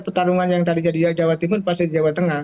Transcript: pertarungan yang tadi jadi jawa timur pasti di jawa tengah